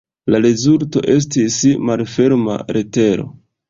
La rezulto estis "Malferma letero".